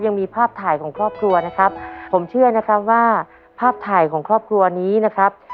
ยังมีภาพถ่ายของครอบครัวนะครับผมเชื่อนะครับว่าภาพถ่ายของครอบครัวนี้นะครับ